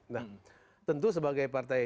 nah tentu sebagai partai